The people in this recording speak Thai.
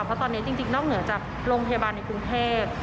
เพราะตอนนี้จริงนอกเหนือจากโรงพยาบาลในกรุงเทพ